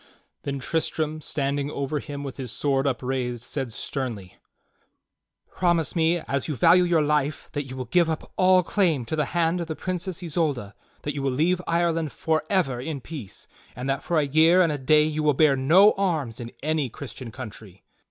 Then Tristram standing over him with his sword upraised said sternly : "Promise me, as you value your life, that you will give up all claim to the hand of the Princess Isolda; that you will leave Ireland forever in peace; and that for a year and a day you will bear no arms in any Christian country."